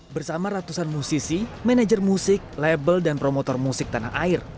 bersama ratusan musisi manajer musik label dan promotor musik tanah air